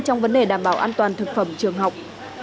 trong vấn đề đảm bảo an toàn thực phẩm trường học